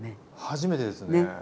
初めてですね。